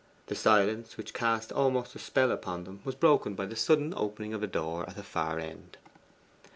The silence, which cast almost a spell upon them, was broken by the sudden opening of a door at the far end.